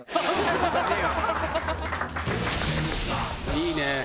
「いいね」